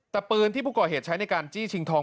แต่ปืนที่ผู้ก่อเหตุใช้ในการจี้ชิงทอง